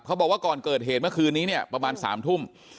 บอกว่าก่อนเกิดเหตุเมื่อคืนนี้เนี่ยประมาณ๓ทุ่ม